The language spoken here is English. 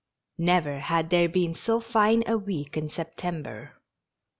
Never had there been so fine a week in September.